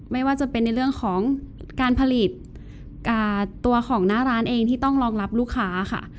ไม่ว่าจะเป็นในเรื่องของการผลิตตัวของหน้าร้านเองที่ต้องรองรับลูกค้าค่ะ